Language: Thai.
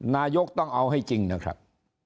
นายกต้องเอาให้จริงนะครับ